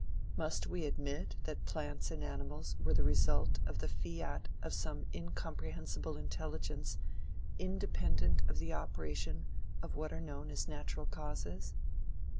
Must we admit that plants and animals were the result of the fiat of some incomprehensible intelligence independent of the operation of what are known as natural causes?